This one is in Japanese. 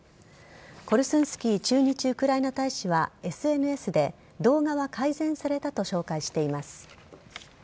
コルスンスキー駐日ウクライナ大使はＳＮＳで、動画は改善されたと紹介しています。